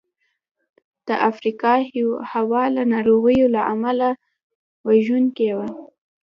د افریقا هوا له ناروغیو له امله وژونکې وه.